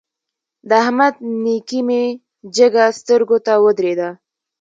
د احمد نېکي مې جګه سترګو ته ودرېده.